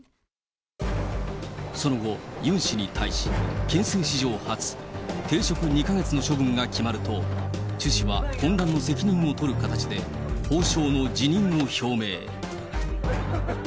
その後、ユン氏に対し、憲政史上初、停職２か月の処分が決まると、チュ氏は混乱の責任を取る形で法相の辞任を表明。